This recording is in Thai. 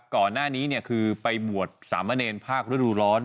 ก่อนหน้านี้คือไปบวชสามเณรภาคฤดูร้อน